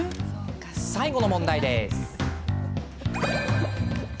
さあ、最後の問題です。